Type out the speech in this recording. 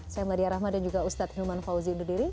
saya meladia rahma dan juga ustadz hilman fauzi undur diri